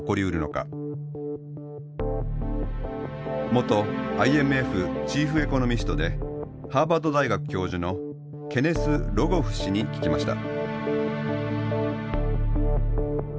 元ＩＭＦチーフエコノミストでハーバード大学教授のケネス・ロゴフ氏に聞きました。